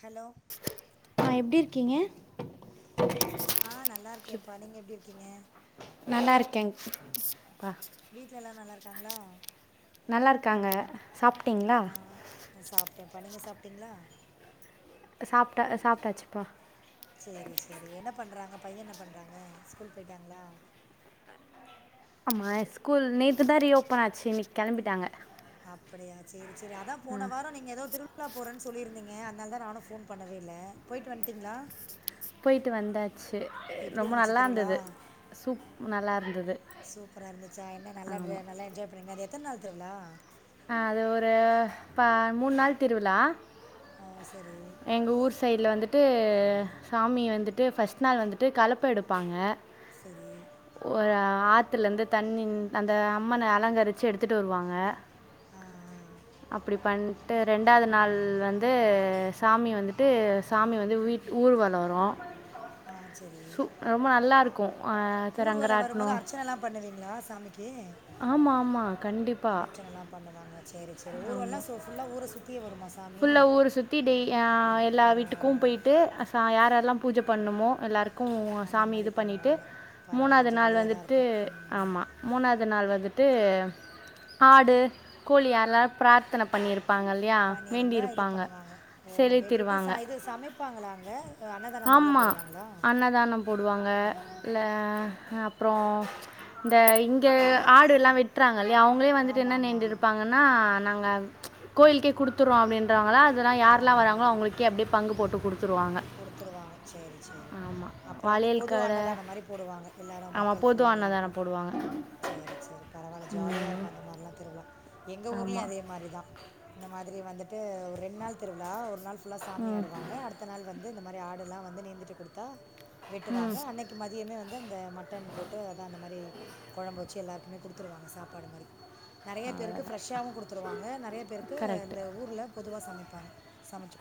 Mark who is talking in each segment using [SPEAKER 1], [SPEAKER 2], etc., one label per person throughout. [SPEAKER 1] Hello?
[SPEAKER 2] ஆ எப்டிருகீங்க?
[SPEAKER 1] ஆ நல்லாருக்கேம்ப்பா நீங்க எப்டிர்க்கீங்க?
[SPEAKER 2] நல்லாருக்கேங் பா.
[SPEAKER 1] வீட்ல எல்லா நல்லாருக்காங்ளா?
[SPEAKER 2] நல்லார்க்காங்க. சாப்டிங்ளா?
[SPEAKER 1] ஆ சாப்ட்டேம்பா நீங்க சாப்டிங்ளா?
[SPEAKER 2] சாப்ட்ட அ சாப்ட்டாச்சுப்பா.
[SPEAKER 1] சேரி சேரி என்ன பண்றாங்க பைய என்ன பண்றாங்க ஸ்கூல் போய்ட்டாங்ளா?
[SPEAKER 2] ஆமா இஸ்கூல் நேத்துதா ரீ ஓப்பன் ஆச்சு இன்னிக் கெளம்பிட்டாங்க.
[SPEAKER 1] அப்படியா சேரி சேரி அதா போன வாரோ நீங்க எதோ திருவி ழா போறேன் சொல்லிருந்தீங்க அதனால்தா நானு ஃபோன் பண்ணவே இல்ல போயிட்டு வந்ட்டிங்ளா?
[SPEAKER 2] ஸ் போயிட்டு வந்தா
[SPEAKER 1] எப்டி இருந்துச்சி திருவிலா
[SPEAKER 2] சூப் நல்லா இருந்தது
[SPEAKER 1] சூப்பரா இருந்துச்சா என்ன நல்லா நல்லா என்ஜாய் பண்ணிங்க ந எத்தன் நாள் திருவிழா
[SPEAKER 2] அது ஒரு பா மூணு நாள் திருவிழா
[SPEAKER 1] அ செரி.
[SPEAKER 2] எங்க ஊர் சைட்ல வந்துட்டு சாமி வந்துட்டு ஃபஸ்ட் நாள் வந்துட்டு கலப்ப எடுப்பாங்க.
[SPEAKER 1] சேரி
[SPEAKER 2] ஒரு ஆத்துல இருந்து தண்ணி அந்த அம்மன அலங்கரிச்சி எடுத்துட்டு வருவாங்க
[SPEAKER 1] ஆ
[SPEAKER 2] அப்டி பண்ட்டு ரெண்டாவது நாள் வந்து சாமி வந்துட்டு சாமி வந்து வீட் ஊர் வளோ வரு
[SPEAKER 1] ஆ செரி
[SPEAKER 2] இருக்கும் த-
[SPEAKER 1] ஊர்வலோ வரும்போது
[SPEAKER 2] ரங்கராட்டினம்
[SPEAKER 1] அர்ச்சன எல்லா பண்ணுவீங்களா சாமி கே
[SPEAKER 2] ஆமாம் ஆமாம் கண்டிப்பாக
[SPEAKER 1] அர்ச்சனல்லா பண்ணுவாங்க சேரி சேரி ஊர்வல எல்லாம் சோ புல்லா ஊர சுத்தியே வருமா சாமி
[SPEAKER 2] புல்லா ஊர சுத் சுத்தி டே அ எல்லா
[SPEAKER 1] ஓ
[SPEAKER 2] வீட்டுக்கு போயிட்டு ச யாரெல்லா பூஜ பண்ணுமோ எல்லாருகு க்கு
[SPEAKER 1] அந்த
[SPEAKER 2] சாமி
[SPEAKER 1] மாதிரி
[SPEAKER 2] இது பண்ணிட்டு
[SPEAKER 1] பண்ணுவாங்க பரவாயில்ல
[SPEAKER 2] மூணாது நாள்
[SPEAKER 1] ஜாலியாக தான்
[SPEAKER 2] வந்துட்டு
[SPEAKER 1] இருக்கும் ம்.
[SPEAKER 2] ஆமா மூணாவது நாள் வந்துட்டு அ ஆடு கோழியா யாரெல்லா பிரார்த்தன பண்ணிருப்பாங்க இல்லயா
[SPEAKER 1] ந்தா இது பண்ணுவாங்க ஓ வெட்டிட்டு ச இது சமைபாங்களா ங்க அன்னதானம் மாரிலா
[SPEAKER 2] ஆமாம்
[SPEAKER 1] போடுவாங்களா
[SPEAKER 2] அன்னதானம் போடுவாங்க
[SPEAKER 1] ஆ,
[SPEAKER 2] இல்ல அப்றோ ம்ச் இந்த இங்கே ஆடு எல்லா வெட் ட்ராங்க இல்லையா அவங்களே வந்துட்டு
[SPEAKER 1] ஆமாம்
[SPEAKER 2] என்ன
[SPEAKER 1] ஆமாம்
[SPEAKER 2] நேந்துருப்பாங்கன்னா நாங்க கோயிலுக்கே கொடுத் த்துறுவோ அப்படின்றவங்களா அதெல்லா
[SPEAKER 1] ஓ
[SPEAKER 2] யாரலா
[SPEAKER 1] அந்த
[SPEAKER 2] வராங்களோ அவங்களுகே அப்டியே பங்கு போட்டு குடுத்துருவாங்க
[SPEAKER 1] குடுதுருவாங்க சேரி சேரி அப்றோ வந்து
[SPEAKER 2] வளையல்
[SPEAKER 1] பொதுவா
[SPEAKER 2] கடை
[SPEAKER 1] அன்னதான மாரி போடுவாங்க எல்லோரு
[SPEAKER 2] ஆமாம்
[SPEAKER 1] மக்கள்
[SPEAKER 2] பொது
[SPEAKER 1] ஃபுல்லா எல்லோருக்கு
[SPEAKER 2] அன்னதானம் போடுவாங்க
[SPEAKER 1] சேரி சேரி பரவால்ல ஜாலியா இருக்கு அந்த மாரிலா திருவிழா எங்க ஊர்லயு
[SPEAKER 2] ஆமாம்
[SPEAKER 1] அதே மாரி தா இந்த மாதிரி வந்துட்டு ஒ ரெண்டு நாள் திருவிழா ஒரு நாள் ல்ல சாமி ஆடுவாங்க அடுத்த நாள் வந்து இந்த மாரி ஆடு எல்லா வந்து நெந்துட்டு கொடுத்தா வெட்டுவாங்க அன்னக் க்கு மதியமே வந்து இந்த மட்டன் போட்டு அதா அந்த மாரி கொழம்பு வச்சு எல்லாரு மமே குடுதுருவாங்க சாப்பாடு மாரி நெறைய பேருக்கு ஃப்ரெஷ்சாவு கொடுத்துருவாங்க நெறைய பேருக்கு இந்த ஊருல பொதுவா சமைபாங்க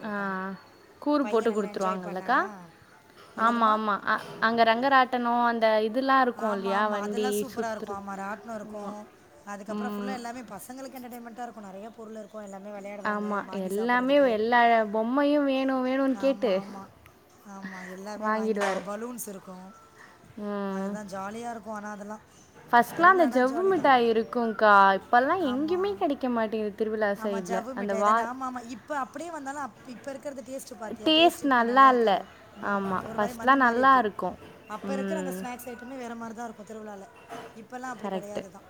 [SPEAKER 2] ஆ கூறு போட்டு
[SPEAKER 1] நல்லா என்ஜாய்
[SPEAKER 2] கொடுத்துருவாங்கல்லக்கா
[SPEAKER 1] பண்ணானா
[SPEAKER 2] ஆமா
[SPEAKER 1] என்னதும்மா
[SPEAKER 2] ஆமா அ அங்க ரங்கராட்டனோ அந்த இ
[SPEAKER 1] ஆமா ஆமா அதெல்லா சூப்பரா இருக்கு ஆமா ராட்டுனோ
[SPEAKER 2] சுற்றுறது
[SPEAKER 1] இருக்கு அதுக்கபுறோ ஃபுல்லா
[SPEAKER 2] ம்.
[SPEAKER 1] எல்லாமே பசங்களுக்கு என்டர்டைமென்டா இருக்கு நெறையா பொருள் இருக்கு எல்லாமே விளையாடுவாங்க
[SPEAKER 2] ஆமா.
[SPEAKER 1] வாங்கி
[SPEAKER 2] எல்லாமே
[SPEAKER 1] சாப்படுறதுக்கு
[SPEAKER 2] எல்லா பொம்மையும் வேணும் வேணும்னு கேட்டு
[SPEAKER 1] ஆமா ஆமா ஆமா எல்லாமே வாங்கிருவாங்க
[SPEAKER 2] வாங்கிடுவாரு.
[SPEAKER 1] பலூன்ஸ் இருக்கு அதுதா ஜாலியா இருக்கு ஆனா அதெல்லா
[SPEAKER 2] பர்ஸ்ட் எல்லா அந்த ஜவ்வு மிட்டாய் இருக்குங்கா இப்ப எல்லா எங்கியுமே
[SPEAKER 1] ஆமாம்
[SPEAKER 2] கிடைக்க மாட்டேங்குது திருவிழா
[SPEAKER 1] ஆமா
[SPEAKER 2] சைடுல.
[SPEAKER 1] ஜவ்வு
[SPEAKER 2] அந்த
[SPEAKER 1] மிட்டாய்
[SPEAKER 2] வா
[SPEAKER 1] தானே ஆமா ஆமா இப்ப அப்படியே வந்தாலு இப்ப இருக்க டேஸ்ட் சு பாத்தேயா
[SPEAKER 2] டேஸ்ட்
[SPEAKER 1] டேஸ்ட்டு இப்ப நல்லா
[SPEAKER 2] இல்ல.
[SPEAKER 1] இருக்காது
[SPEAKER 2] ஆமா.
[SPEAKER 1] அது ஒரு மாரி மண்ணு
[SPEAKER 2] ஃபர்ஸ்ட்லாம்
[SPEAKER 1] மாரி
[SPEAKER 2] நல்லா
[SPEAKER 1] இருக்கு
[SPEAKER 2] இருக்கும்.
[SPEAKER 1] அப்போ இருக்கிற அந்த
[SPEAKER 2] ம்.
[SPEAKER 1] ஸ்நாக்ஸ் ஐட்டமே வேறு மாரி தா இருக்கு திருவிழால இப்போல்லா அப்படி
[SPEAKER 2] கரெக்ட்டு.
[SPEAKER 1] கிடையாது தா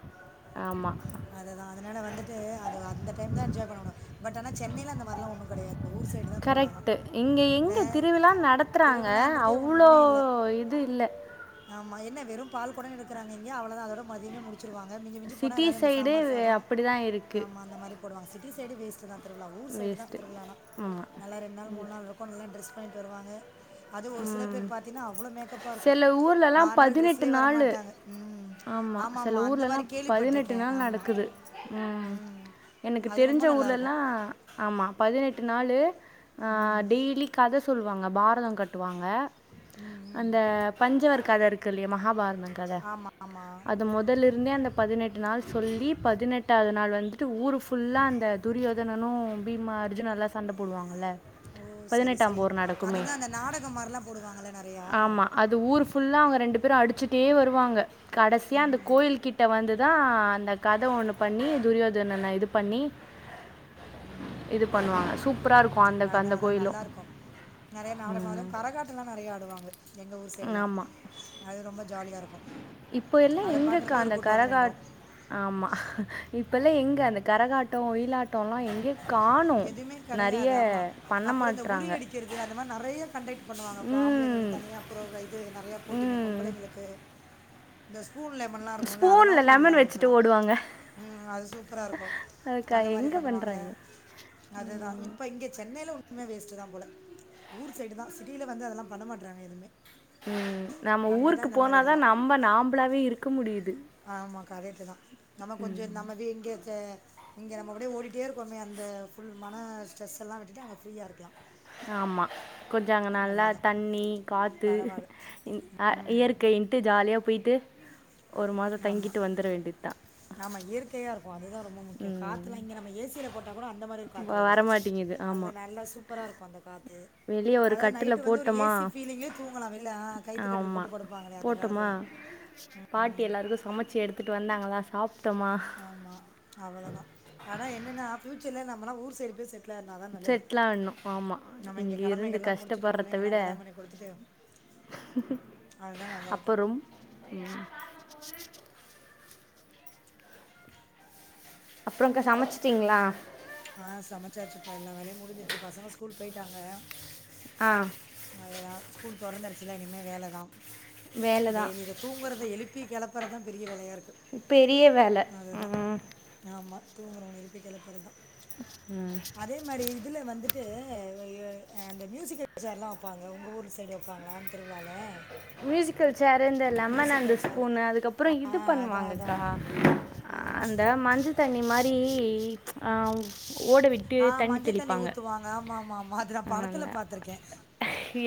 [SPEAKER 2] ஆமா
[SPEAKER 1] அதுதா அதனால வந்துட்டு அது அந்த டைம் தா என்ஜாய் பண்ணணு பட் ஆனா சென்னையில அந்த மாதிரிலா ஒன்னு கிடையாது இந்த ஊர் சைடு தா திருவிழாலா
[SPEAKER 2] கரெக்ட்டு. இங்க
[SPEAKER 1] இல்ல
[SPEAKER 2] எங்க திருவிழா நடத்துறாங்க.
[SPEAKER 1] திருவிழான்றதே
[SPEAKER 2] அவ்ளோ
[SPEAKER 1] ஒண்ணுமே இல்ல
[SPEAKER 2] இது இல்ல.
[SPEAKER 1] ஆமா என்ன வெற பால் கொடோ எடுக்குறாங்க இங்க அவ்ளதா அதோட மதியமே முடிச்சு வச்சுருவாங்க மிஞ்சி மிஞ்சி போனா
[SPEAKER 2] சிட்டி
[SPEAKER 1] ஏதாவது இந்த
[SPEAKER 2] சைடு
[SPEAKER 1] சாம்பார் சாதோ
[SPEAKER 2] அப்படிதான் இருக்கு.
[SPEAKER 1] ஆமா அந்த மாரி போடுவங்க சிட்டி டசைடு வேஸ்ட்டு தா திருவிழா ஊர் சைடு தா
[SPEAKER 2] வேஸ்ட்டு.
[SPEAKER 1] திருவிழான்னா
[SPEAKER 2] ஆமா.
[SPEAKER 1] நல்லா ரெண்டு நாள் மூணு நாள் இரு பொன்லா ட்ரெஸ் பண்ணிட்டு வருவங்க அது ஒரு சில பேர் பாத்தீங்கனா அவ்ளோ மேக்கப்பாருக்கு
[SPEAKER 2] சில ஊர்லலாம்
[SPEAKER 1] நார்மல் ட்ரெஸ்லே வர மாட்டாங்க ம்
[SPEAKER 2] ஆமா
[SPEAKER 1] ஆமாமா.
[SPEAKER 2] சில
[SPEAKER 1] அந்த
[SPEAKER 2] ஊர்லல்லா
[SPEAKER 1] மாரி
[SPEAKER 2] பதினெட்டு
[SPEAKER 1] கேள்விப்பட்டுருக்கேன்.
[SPEAKER 2] நாள்
[SPEAKER 1] ஆமா.
[SPEAKER 2] நடக்குது ம் எனக்கு
[SPEAKER 1] அது ரொம்ப
[SPEAKER 2] தெரிஞ்ச
[SPEAKER 1] நல்லாயிருக்கும்.
[SPEAKER 2] ஊர்லலா ஆமா பதினெட்டு நாளு அ
[SPEAKER 1] ம்.
[SPEAKER 2] டெய்லி கத சொல்லுவாங்க பாரதோ கட்டுவாங்க
[SPEAKER 1] ம் ம்
[SPEAKER 2] அந்த பஞ்சவர் கத இருக்குல்லையா மகாபாரதம் கத
[SPEAKER 1] ஆமா ஆமா
[SPEAKER 2] அது மொதலருந்தே அந்த பதினெட்டு நாள் சொல்லி பதினெட்டாவது நாள் வந்துட்டு ஊர் ஃபுல்லா அந்த துரியோதனனு பீமா அர்ஜுனல்லா சண்ட போடுவாங்கல்ல
[SPEAKER 1] ஓ செரி செரி அதுதா அந்த நாடகம் மாரில்லா போடுவாங்கள்ல நறையா
[SPEAKER 2] ஆமா. அது ஊர் ஃபுல்லா அவுங்க ரெண்டு பேரு அடிச்சுட்டே வருவாங்க கடைசியா அந்த
[SPEAKER 1] ம்
[SPEAKER 2] கோயில்கிட்ட வந்துதா அந்த கத ஒண்ணு பண்ணி துரியோதனன்ன இது பண்ணி
[SPEAKER 1] ம்
[SPEAKER 2] இது பண்ணுவாங்க சூப்பராருக்கு அந்த அந்த கோயிலு
[SPEAKER 1] நறைய நாடகாது கரகாட் ட்டுல்லா நறையா ஆடுவாங்க எங்க ஊர் சைடுலா
[SPEAKER 2] ஆமா.
[SPEAKER 1] அது ரொம்ப ஜாலியாருக்கு
[SPEAKER 2] இப்பயெல்லா எங்கக்கா அந்த கரகா ஆமா இப்பல்லா எங்க அந்த கரகாட்டோ ஒயிலாட் டோல்லா எங்கியோ காணு
[SPEAKER 1] எதுவுமே
[SPEAKER 2] நறைய பண்ண மாட்றாங்க
[SPEAKER 1] து அந்த மாரி நறைய கண்டெக்ட் பண்ணுவாங்க இப்ப
[SPEAKER 2] ம்.
[SPEAKER 1] ஆம்பளைங்களுக்கு தனியா ப்ரோக் இது நறையா போட்டிங்க
[SPEAKER 2] ம்.
[SPEAKER 1] பொம்பளைங்களுக்கு இந்த ஸ்பூன் லேமன்லா இருக்கால்ல
[SPEAKER 2] ஸ்பூன்ல
[SPEAKER 1] அதெல்லவு
[SPEAKER 2] லெமன்
[SPEAKER 1] பண்றாங்க
[SPEAKER 2] வச்சுட்டு
[SPEAKER 1] இப்போல்லா
[SPEAKER 2] ஓடுவாங்க.
[SPEAKER 1] ம் அது சூப்பராருக்கு
[SPEAKER 2] அதுக்காயிங்
[SPEAKER 1] பண்ணுவாங்க அதுதா இப்ப இங்க சென்னையில மே வேஸ்ட்டு தா போல ஊர் சைடு தா சிட்டியில வந்து அதெல்லா பண்ண மாட்றாங்க எதுவுமே
[SPEAKER 2] ம் நம்ம
[SPEAKER 1] அங்கே தான்
[SPEAKER 2] ஊருக்கு
[SPEAKER 1] இந்த மாதிரி
[SPEAKER 2] போனாதா
[SPEAKER 1] இதெல்லாம்
[SPEAKER 2] நம்ப நம்பளாவே இருக்க முடியுது
[SPEAKER 1] ஆமா கரெக்ட்டு தா நம்ம கொஞ்சோ நம்ம இங்க இங்க நம்ம அப்டியே ஓடி ட்டே இருக்கோமே அந்த ஃபுல் மன ஸ்ட்ரெஸல்லா விட்டுட்டு அங்க ஃப்ரீயாருக்கலா
[SPEAKER 2] ஆமா கொஞ்சோ அங்க நல்லா தண்ணி காற்று
[SPEAKER 1] பரவாயில்ல
[SPEAKER 2] இ ஆ இயற்கையின்ட்டு ஜாலிய போயி்ட்டு ஒரு மாதோ தங்கிட்டு வந்துட வேண்டியத் தா
[SPEAKER 1] ஆமா இயற்கையாருக்கு அதுதா ரொம்ப முக்கியோ
[SPEAKER 2] ம்
[SPEAKER 1] காத்துல இங்க நம்ம ஏசியில போட்டா கோட அந்த மாரி ஒரு காத்து
[SPEAKER 2] வ-
[SPEAKER 1] வராது
[SPEAKER 2] வரமாட்டேங்குது
[SPEAKER 1] அங்க
[SPEAKER 2] ஆமாம்
[SPEAKER 1] நல்லா சூப்பரா இருக்கு அந்த காத்து
[SPEAKER 2] வெளியே ஒரு
[SPEAKER 1] அதாவது
[SPEAKER 2] கட்டில்
[SPEAKER 1] நைட்டு வந்து ஒரு
[SPEAKER 2] போட்டோமா
[SPEAKER 1] ஏசி ஃபீலிங்குலே தூங்கலா வெளிய அ கைத்துக்கட்டில் போட்டு
[SPEAKER 2] ஆமாம்
[SPEAKER 1] படுப்பாங்களே அந்த
[SPEAKER 2] போட்டோமா
[SPEAKER 1] காலத்துல
[SPEAKER 2] பாட்டி எல்லாருக்கு சமைச்சு எடுத்துட்டு வந்தாங்களா சாப்ட்டோமா
[SPEAKER 1] ஆமா அவ்ளோதா ஆனா என்னன்னா ஃபியூச்சர்ல நம்மல்லா ஊர் சைடு போய் செட் டுல ஆனாதா நல்லது
[SPEAKER 2] செட்டில் ஆகணும் ஆமாம்
[SPEAKER 1] நம்ம இங்க
[SPEAKER 2] இங்கே இருந்து
[SPEAKER 1] கடமைகள்லா முடிச்சுட்டு
[SPEAKER 2] கஷ்டப்படுறத
[SPEAKER 1] பிள்ளைங்கெல்லா கல்யாணம் பண்ணி குடுத்துட்டு
[SPEAKER 2] அப்பறோம் அப்றோங்க்கா சமைச்சுட்டீங்களா
[SPEAKER 1] ஆ சமைச்சாச்சுப்பா எல்லா வேலையு முடிஞ்சிச்சு பசங்க ஸ்கூல் போயிட்டாங்க
[SPEAKER 2] ஆ
[SPEAKER 1] அதேதா ஸ்கூல் தொறந்துரிச்சில இனிமே வேல தா
[SPEAKER 2] வேலை தான்
[SPEAKER 1] டெய்லி இத தூங்கறது எழுப்பி கெளப்புறதுதா பெரிய வேலயாருக்கு
[SPEAKER 2] பெரிய வேல ம்
[SPEAKER 1] ஆமா தூங்குறவங்கள எழுப்பி கெளப்புறதுதா
[SPEAKER 2] ம்
[SPEAKER 1] மாரி இதுல வந்துட்டு வ ஆ அந்த மியூசிக்கல் சேர்லா வப்பாங்க உங்க ஊரு சைடு வப்பாங்களா அந்த திருவிழால
[SPEAKER 2] மியூசிக்கல் சேர் இந்த லெமன் அண்ட்
[SPEAKER 1] சேர்
[SPEAKER 2] ஸ்பூன் அதுக்கப்றோ இது
[SPEAKER 1] அதான்
[SPEAKER 2] பண்ணுவாங்கக்கா
[SPEAKER 1] அதான் எதுமா
[SPEAKER 2] அந்த மஞ்ச தண்ணி மாரி, ஆ ஓடவிட்
[SPEAKER 1] ஆ, மஞ்ச தண்ணி ஊத்துவாங்க ஆமா ஆமா ஆமா அது நா படத்துல பாத்துருக்கே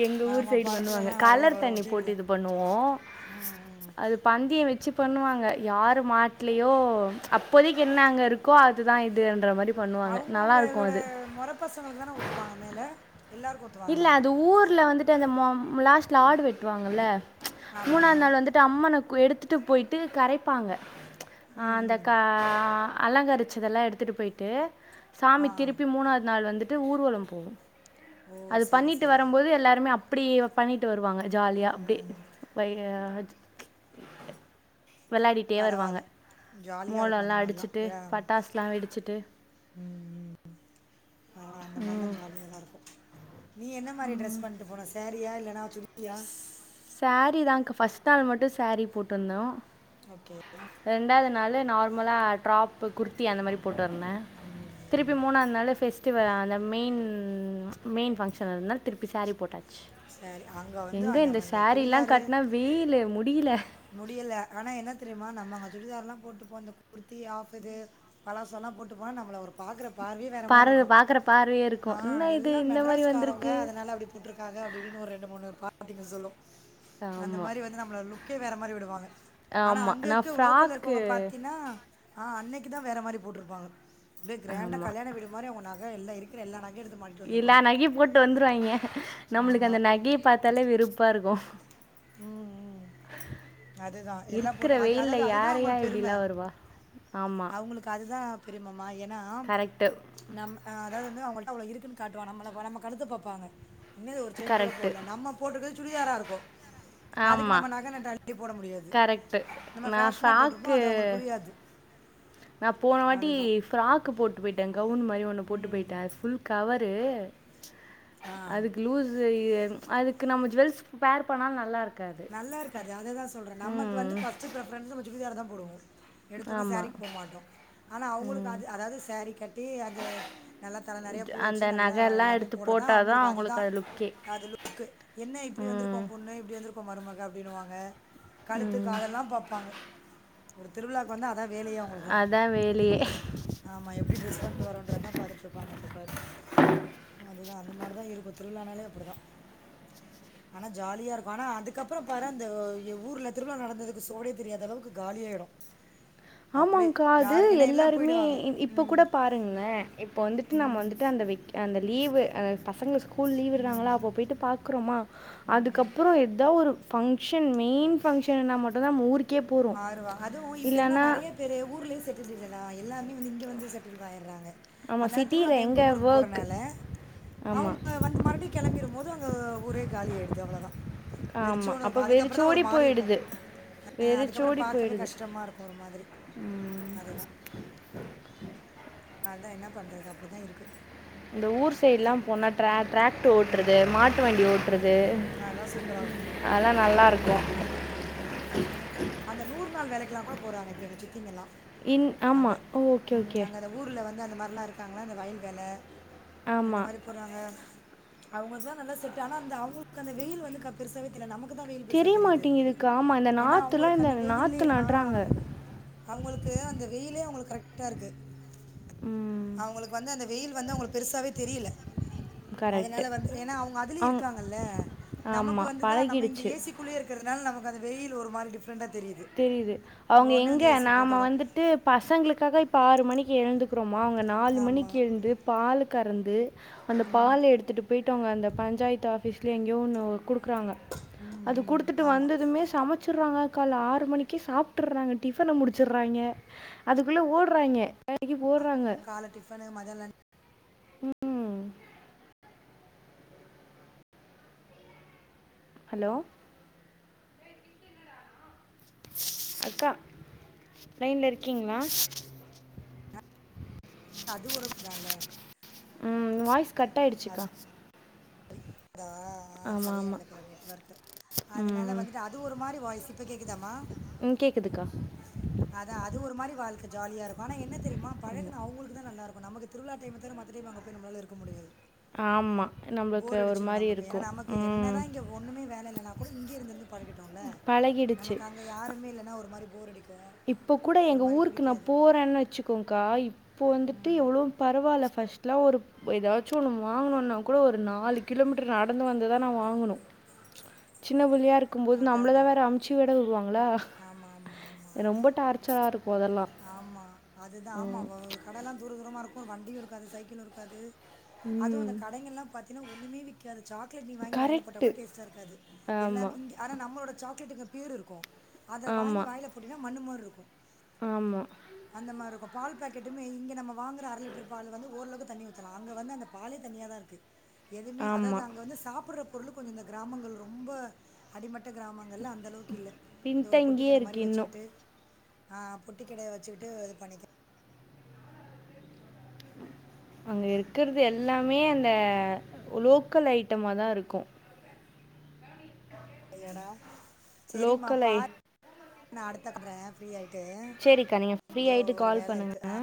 [SPEAKER 2] எங்க ஊர் சைடு பண்ணுவாங்க கலர் தண்ணி
[SPEAKER 1] வரும்
[SPEAKER 2] போட்டு
[SPEAKER 1] டிவியில்
[SPEAKER 2] இது பண்ணுவோ
[SPEAKER 1] ம் ம்
[SPEAKER 2] அது பந்திய வச்சு பண்ணுவாங்க யாரு மாட்லையோ அப்போதைக்கி என்ன அங்க இரு க்கோ அதுதா இதுன்ற மாரி
[SPEAKER 1] அவங்கவுங்களோட மொறப்பசங்களுக்கு தான ஊத்துவாங்க மேல, எல்லாருக்கு ஊத்
[SPEAKER 2] இல்ல அது ஊர்ல வந்துட்டு அந்த மொ லாஸ்ட்ல ஆடு வெட்டுவாங்கல்ல
[SPEAKER 1] ஆமா
[SPEAKER 2] மூணாநாள் வந்து ட்டு அம்மன கோ எடுத்துட்டு போயிட்டு கரைப்பாங்க அ
[SPEAKER 1] ம்
[SPEAKER 2] அந்த
[SPEAKER 1] ம்
[SPEAKER 2] க அலங்கரி ச்சதெல்லா எடுத்துட்டு போயிட்டு
[SPEAKER 1] ஆ
[SPEAKER 2] சாமி திருப்பி மூணாவது நாள் வந்துட்டு ஊர்வலம் போவு
[SPEAKER 1] ஓ
[SPEAKER 2] அது
[SPEAKER 1] சரி
[SPEAKER 2] பண்ணிட்டு
[SPEAKER 1] சரி
[SPEAKER 2] வரும்போது எல்லாருமே அப்டி பண்ணிட்டு வருவாங்க ஜாலியா
[SPEAKER 1] ம்
[SPEAKER 2] அப்டியே
[SPEAKER 1] ம்
[SPEAKER 2] பைய வச் வெளையாடிட்டே வருவாங்க
[SPEAKER 1] பரவால்ல ஜாலியா இருக்கு
[SPEAKER 2] மோளம்லா
[SPEAKER 1] அந்த மாரிலா
[SPEAKER 2] அடிச்சுட்டு பட்டாசுலா வெடிச்சுட்டு
[SPEAKER 1] ம் ம் அதலா அந்த மாரிலா ஜாலியாதா இருக்கும் நீ என்ன மாரி டிரெஸ் பண்ணிட்டு போன சாரியா இல்லன்னா சுடி
[SPEAKER 2] சாரிதாக்கா ஃபர்ஸ்ட் நாள் மட்டு சாரி போட்டுருந்தோ
[SPEAKER 1] ஓகே
[SPEAKER 2] ரெண்டாவது நாளு நார்மலா ட்ராப் பு குர்த்தி அந்த மாரி போட்டுருந்தே
[SPEAKER 1] ம் ம்.
[SPEAKER 2] திருப்பி மூணாதுநாள் பெஷ் டிவல் அந்த மெயின் மெயின் ஃபங்க்ஷன் இருந்ததனால திருப்பி சாரி போட்டா ச்
[SPEAKER 1] சரி அங்க வந்து
[SPEAKER 2] எங்க இந்த
[SPEAKER 1] நம்ம
[SPEAKER 2] சாரி எல்லா
[SPEAKER 1] சுடிதாரு
[SPEAKER 2] கட்டனா வெயிலு முடியல
[SPEAKER 1] முடியல, ஆனா என்ன தெரியுமா நம்ம அங்க சுடிதார்லா போட்டுப்போனா அந்த குர்த்தி ஆஃப் இது பழசல்லா போட்டு போனா நம்மள ஒரு பாக்கற பார்வையே வேற மாரி
[SPEAKER 2] பார்வை
[SPEAKER 1] இருக்கு,
[SPEAKER 2] பார்க்குற பார்வையே
[SPEAKER 1] ஆ
[SPEAKER 2] இருக்கும் என்ன இது
[SPEAKER 1] எல்லா
[SPEAKER 2] இந்த மாதிரி
[SPEAKER 1] மெட்ராஸ்காரங்க
[SPEAKER 2] வந்திருக்கு
[SPEAKER 1] அதனால அப்டி போட்ருக்காங்க அப்டி இப்டின்னு ஒரு ரெண்டு மூணு பாட்டிங்க சொல்லு அந்த
[SPEAKER 2] ஆமாம்
[SPEAKER 1] மாரி வந்து நம்மள லுக் க்கே வேற மாரி விடுவாங்க ஆனா
[SPEAKER 2] ஆமாம்
[SPEAKER 1] அங்க
[SPEAKER 2] நான்
[SPEAKER 1] இருக்க லோக்கல்ல
[SPEAKER 2] ஃப்ராக்கு
[SPEAKER 1] இருக்கவங்க பாத்தீனா ஆ, அன்னைக்குதா வேற மாரி போட்ருப்பாங்க அப்படியே கிராண்டா
[SPEAKER 2] ஆமாம்
[SPEAKER 1] கல்யாணவீடு மாரி அவங்க நக எல்லா இருக் கற எல்லா நகையு எடுத்து மாட்டிட்டு
[SPEAKER 2] எல்லா
[SPEAKER 1] வந்திருப்பாங்க.
[SPEAKER 2] நகையு போட்டு வந்துருவாங்க நம்மளுக்கு
[SPEAKER 1] ஆமா.
[SPEAKER 2] அந்த நகைய பாத்தாலே வெறுப் பாருக்கு
[SPEAKER 1] ம் ம் அதுதா எல்லா
[SPEAKER 2] இருக்கிற
[SPEAKER 1] போட்டு அது அதாது
[SPEAKER 2] வெயிலில்
[SPEAKER 1] அதுதா
[SPEAKER 2] யாரையா
[SPEAKER 1] அவங்க பெரும
[SPEAKER 2] இப்படிலாம் வருவா ஆமாம்
[SPEAKER 1] அவங்களுக் கு அதுதா பெருமைமா ஏன்னா
[SPEAKER 2] கரெக்டு
[SPEAKER 1] நம் அ அதாவது வந்து அவங்கள்ட அவ்ளோ இருக்குன்னு காட்டுவாங் நம்மள நம்ம கழுத்த பாப்பாங்க என்னது ஒரு செயின் கூட
[SPEAKER 2] கரெக்ட்டு
[SPEAKER 1] போட்லயானு நம்ம போட்ருக்கது சுடிதாரா இருக்கு அதுக்கு நம்ம
[SPEAKER 2] ஆமாம்
[SPEAKER 1] நகை நட் ட அள்ளி போட முடியாது
[SPEAKER 2] கரெக்ட்டு
[SPEAKER 1] நம்ம
[SPEAKER 2] நான்
[SPEAKER 1] பேஷனா போட்ருப்போ அது அவங்களுக்கு புரியாது
[SPEAKER 2] நா போனவாட்டி
[SPEAKER 1] அதுதான்
[SPEAKER 2] ஃப்ராக் போட்டு போயிட்டே கவுன் மாரி ஒண்ணு போட்டு
[SPEAKER 1] ம்
[SPEAKER 2] போயிட்டே ஃபுல் கவரு
[SPEAKER 1] ஆ
[SPEAKER 2] அதுக்கு லூஸ் அதுக்கு நம்ம ஜுவெல்ஸ் பேர் பண்ணா நல்லா இருக்காது
[SPEAKER 1] நல்லாருக்காது அததா சொல்ற நமக்கு வந்து
[SPEAKER 2] ம்
[SPEAKER 1] ஃபஸ்டு பிரிஃபரன்ஸ் நம்ம சுடிதாரதா போடுவோ எடுத்தோன்ன
[SPEAKER 2] ஆமாம்
[SPEAKER 1] சரீக்கு போ மாட்டோ ஆனா அவங்களுக்கு
[SPEAKER 2] ம்
[SPEAKER 1] அது அதாவது சரீ கட்டி அது நல்லா தல நெறையா
[SPEAKER 2] ஜ-
[SPEAKER 1] பூ வெச்சு
[SPEAKER 2] அந்த
[SPEAKER 1] நல்லா
[SPEAKER 2] நகையெல்லாம்
[SPEAKER 1] எல்லாமே
[SPEAKER 2] எடுத்து
[SPEAKER 1] போட்றதா
[SPEAKER 2] போட்டால்
[SPEAKER 1] அவங்களு
[SPEAKER 2] தான்
[SPEAKER 1] அதுதா
[SPEAKER 2] அவங்களுக்கு அது லுக்கே
[SPEAKER 1] அது லுக்கு என்ன இப்டி வந்திருக்கோ
[SPEAKER 2] ம்
[SPEAKER 1] பொண்ணு இப்டி வந்துருக் ஓ மருமக அப்டின்னு வாங்க கழுத்து
[SPEAKER 2] ம்
[SPEAKER 1] காதெல்லா பாப்பாங்க ஒரு திருவிழாவுக்கு வந்தா அதா வேலையே அவங்ளுக்குலா
[SPEAKER 2] அதான் வேலையே
[SPEAKER 1] ஆமா எப்டி ட்ரஸ் பண்ட்டு வரோன்றதா பாத்துட்ருப்பங்க எப்பப்பாரு அதுதா அந்த மாரிதா இருக்கோ திருவிலனாலே அப்டிதா ஆனா ஜாலியா இருக்கோ ஆனா அது கப்புறோ பாரே அந்த ஒ ய ஊர்ல திருவிழா நடந்ததுக்கு சோடே தெரியாத அளவுக்கு காலியாயிடோ
[SPEAKER 2] ஆமாங்கா அது
[SPEAKER 1] எல்லாம்
[SPEAKER 2] எல்லாருமே
[SPEAKER 1] போயிடுவாங்க
[SPEAKER 2] இ இப் இப்ப
[SPEAKER 1] ம்,
[SPEAKER 2] கூட பாருங்க்ளே இப்ப வந்துட்டு நம்ம
[SPEAKER 1] ம்,
[SPEAKER 2] வந்துட்டு அந்த வெக் அந்த லீவு அ பசங்க ஸ் ஸ்கூல் லீவ் விடுறங்களா
[SPEAKER 1] ம்,
[SPEAKER 2] அப்ப போயிட்டு பாக் க்குறோமா
[SPEAKER 1] ம்.
[SPEAKER 2] அதுக்கப்புரோ எதா ஒரு பங்ஷன் மெயின் பங்ஷன்ன மட்டுதா நாம ஊருக்
[SPEAKER 1] ஆயிருவா அதுவு இப்ப என்னா நெறையப் பேரு ஊர்லே செட்டில் இல்லடா எல்லாமே வந்து இங்கே வந்து செட்டில்வ் ஆயிட்றாங்க
[SPEAKER 2] ஆமா
[SPEAKER 1] அனால
[SPEAKER 2] சிட்டியில
[SPEAKER 1] திருவுலா
[SPEAKER 2] எங்க
[SPEAKER 1] டைமுக்கு ஊருக்கு
[SPEAKER 2] ஒர்க்.
[SPEAKER 1] போறனால
[SPEAKER 2] ஆமா,
[SPEAKER 1] அவுங்க வந்து மறுப்டியு கெளம்பிடும்போது அங்க ஊரே காலியாய்டுது அவ்ளோதா
[SPEAKER 2] ஆமா.
[SPEAKER 1] வெறிச்சோன்னு
[SPEAKER 2] அப்ப
[SPEAKER 1] இருக்ககோ அதுக்கப்புறோ தா ஒரு
[SPEAKER 2] வெறிச்சோடி
[SPEAKER 1] மாரி இருக்கு
[SPEAKER 2] போயிடுது.
[SPEAKER 1] அ அக்கப்புறோ
[SPEAKER 2] வெறிச்சோடி
[SPEAKER 1] பாக்கவே
[SPEAKER 2] போயிடுது.
[SPEAKER 1] கஷ்டமா இருக்கோ ஒரு மாதிரி அதுதா அதா என்ன பண்றது அப்டிதா இருக்கு
[SPEAKER 2] இந்த ஊர் சைட்லா போனா டிரா டிராக்டு ஓட்டுறது மாட்டு வண்டி ஓட் றது
[SPEAKER 1] ம் அதெல்லாம் சூப்பராக இருக்கும்
[SPEAKER 2] அதுலா நல்லா இருக்கு
[SPEAKER 1] அந்த நூறு நாள் வேலைக்கெல்லா கூட போறாங்க இப்ப எங்க சித்திங்கல்லா
[SPEAKER 2] இன் ஆமா.
[SPEAKER 1] அங்க
[SPEAKER 2] ஓகே,
[SPEAKER 1] ம்
[SPEAKER 2] ஓகே.
[SPEAKER 1] அங்க அந்த ஊர்ல வந்து அந்த மார்லா இருக்காங்களா அந்த வயல் வேல அந்த
[SPEAKER 2] ஆமா.
[SPEAKER 1] மாரி போட்றாங்க அவங்களுக்குதா நல்லா செட் ஆனா அந்த அவங்களுக்கு அந்த வெயில் வந்து க பெருசாவே தெர்ல நமக்குதா வெயில் பெருசா தெரியுது
[SPEAKER 2] தெரியமாட்டேங்குதுக்கா. ஆமா, இந்த
[SPEAKER 1] ஏன்னா அவுங்
[SPEAKER 2] நாத்துலாம்
[SPEAKER 1] களுக்கு
[SPEAKER 2] இந்த
[SPEAKER 1] அந்த வெயிலு
[SPEAKER 2] நாத்து
[SPEAKER 1] ஆ
[SPEAKER 2] நடுறாங்க.
[SPEAKER 1] அவுங்களுக்கு அந்த வெயிலே அவுங்களுக்கு கரெக்டா இருக்கு
[SPEAKER 2] ம்.
[SPEAKER 1] அவுங்களுக்கு வந்து அந்த வெயில் வந்து அவங்களுக்கு பெருசாவே தெரியில
[SPEAKER 2] கரெக்ட்டு.
[SPEAKER 1] அதனால வந்து ஏனா அவுங்க அதுலே
[SPEAKER 2] அங்
[SPEAKER 1] இருக்காங்கல்ல நமக்கு
[SPEAKER 2] ஆமா,
[SPEAKER 1] வந்துதா நம்ம இங்க
[SPEAKER 2] பழகிடுச்சு.
[SPEAKER 1] ஏசி குள்ளே இருக்கிறதுனால நமக்கு அது வெயில் ஒரு மாரி டிப்ரண்டா தெரியுது
[SPEAKER 2] தெரியிது அவுங்க
[SPEAKER 1] உடனே
[SPEAKER 2] எங்க
[SPEAKER 1] வந்து ஏசி
[SPEAKER 2] நாம
[SPEAKER 1] போட்டுறோம்
[SPEAKER 2] வந்துட்டு பசங்ளுக்காக இப்ப ஆறு மணிக்கு எழுந்துக்றோமா அவுங்க நாலு மணிக்
[SPEAKER 1] ஆமாம்
[SPEAKER 2] எழுந்து பாலு கறந்து அந்த
[SPEAKER 1] ம்
[SPEAKER 2] பால் எடுத்துட்டு பேய்ட்டு வாங்க அந்த பஞ்சாயத்து ஆபிஸ்லயே எங்யோ ஒன்னு குடுக்குறாங்க
[SPEAKER 1] ம்
[SPEAKER 2] அது
[SPEAKER 1] ம்
[SPEAKER 2] குடுத்துட்டு
[SPEAKER 1] ஆமாம்
[SPEAKER 2] வந்ததுமே சமச்சறாங்க கால ஆறு து மணிக்கு சாப்ட்டுறாங்க டிபன முடிச்சிறாய்ங்க அதுக்குள்ள ஓட்றாய்ங்கே வேலைக்கி ஓட்றாங்க
[SPEAKER 1] டிபனு மதியாண லஞ்
[SPEAKER 2] ம் ஹலோ அக்கா லைன்ல இருக்கீங்ளா
[SPEAKER 1] அது ஒருப் சால
[SPEAKER 2] ம் வாய்ஸ் கட் ஆயிடுச்சுக்கா
[SPEAKER 1] அதா ஆ
[SPEAKER 2] ஆமா,
[SPEAKER 1] சரியா
[SPEAKER 2] ஆமா.
[SPEAKER 1] இல்ல போல நெட்வர்க்கு அதனால
[SPEAKER 2] ம்.
[SPEAKER 1] வந்துட்டு அ அது ஒரு மாரி வாய்ஸ் இப்ப கேக்குதாமா
[SPEAKER 2] ம் கேக்குதுக்கா
[SPEAKER 1] அதா அது ஒரு மாரி வாழ்க்க ஜாலிய இருக்கும் ஆனா என்ன தெரியுமா பழகுன அவுங்களுக்கு தா நல்லாருக் அப்ப நமக்கு திருவிழா டைம் தவற மத்த டைம் அங்க போய் நம்மளால இருக்க முடியது
[SPEAKER 2] ஆமா நம்மளுக்கு ஒரு
[SPEAKER 1] வெச்சுரு
[SPEAKER 2] மாரி
[SPEAKER 1] நமக்கு ஏன்னா
[SPEAKER 2] இருக்கும்.
[SPEAKER 1] நமக்கு என்ன
[SPEAKER 2] ம்.
[SPEAKER 1] தா இங்க ஒன்னுமே வேல இல்லனா கூட இங்கேய இருந்து இருந்து பழகிட்டோல
[SPEAKER 2] பழகிடுச்சு
[SPEAKER 1] அங்க யாருமே இல்லன்னா ஒரு மாரி போர் அடிக்
[SPEAKER 2] இப்போ கூட எங்க ஊருக்கு நா போறேன்னு வச்சுக்கோக்கா இப்போ வந்துட்டு எவ்ளவோ பரவாயில்ல ஃபர்ஸ்ட்லா ஒரு ஒ ஏதாச்சு ஒண்ணு வாங்கணுனா கூட ஒரு நாலு கிலோமீட்டர் நடந்து வந்துதா நா வாங்கனு சின்ன பிள்ளையா இருக்கும்போது
[SPEAKER 1] அதான்
[SPEAKER 2] நம்ளதா
[SPEAKER 1] அதான்.
[SPEAKER 2] வேற அனுப்சு விட விடுவாங்களா
[SPEAKER 1] ஆமா ஆமா ஆ
[SPEAKER 2] ரொம்ப டார்ச்சரா இருக்கு அதெல்லா
[SPEAKER 1] ஆமா அதுதா ஆமா கடையெல்லா தூர தூரமா இருக்கு வண்டியு இருக்காது சைக்கிளு இருக்காது அதுவு
[SPEAKER 2] ம்.
[SPEAKER 1] இந்த கடைங்கல்லா பாத்தீன்னா ஒன்னுமே விக்காது சாக்லேட் நீ வாங்கி வாய்ல போட்டா
[SPEAKER 2] கரெக்ட்டு.
[SPEAKER 1] கூட டெஸ்ட்டா இருக்காது.
[SPEAKER 2] ஆமா
[SPEAKER 1] எல்லாமே இங்க ஆனா நம்மளோட சாக்லேட்டுங்க ப்யூர் இருக்கு அத வாங்கி
[SPEAKER 2] ஆமா,
[SPEAKER 1] வாயில போட்டீங்கனா மண் மாரி இருக்கு
[SPEAKER 2] ஆமா
[SPEAKER 1] அந்த மாரி இருக்கு பால் பாக்கெட்டுமே இங்க நம்ம வாங்குற அர லிட்டர் பால் வந்து ஓரளவு தண்ணி ஊத்தலா அங்க வந்து அந்த பாலே தண்ணியா தா இருக்கு எதுவுமே அதாது
[SPEAKER 2] ஆமா.
[SPEAKER 1] அங்க வந்து சாப்புடுற பொருள் கொஞ்ச இந்த கிராமங்கள் ரொம்ப அடிமட்ட கிராமங்கள் அந்தளவுக்கு இல்ல இந்த ஒரு பொட்டி
[SPEAKER 2] பின்தங்கியே
[SPEAKER 1] கட
[SPEAKER 2] இருக்கு
[SPEAKER 1] மாதக்ஷரி
[SPEAKER 2] இன்னும்.
[SPEAKER 1] வச்சுக்கிட்டு அ குட்டி கடையா வச்சுகிட்டு இது பண்ணிக்கேன்
[SPEAKER 2] அங்க இருக்கிறது எல்லாமே அந்த லோக்கல் ஐட்டமா தான் இருக்கும்
[SPEAKER 1] டயடா செரிம்மா
[SPEAKER 2] லோக்கல்
[SPEAKER 1] பா
[SPEAKER 2] ஐ
[SPEAKER 1] நான் அடுத்தடுறேன் ஃப்ரீயா ஆய் ட்டு
[SPEAKER 2] சரிக்கா நீங்கள் ஃப்ரீ
[SPEAKER 1] தோ
[SPEAKER 2] ஆயிட்டு
[SPEAKER 1] ஒரு
[SPEAKER 2] கால்
[SPEAKER 1] வேலை
[SPEAKER 2] பண்ணுங்க
[SPEAKER 1] இருக்கு ஆ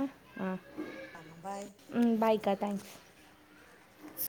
[SPEAKER 2] ஆ
[SPEAKER 1] ஆ பாய்
[SPEAKER 2] ம் பாய்க்கா தேங்க்ஸ்